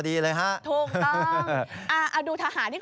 ขอบคุณครับ